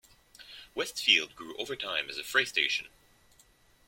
Westfield grew over time as a freight station.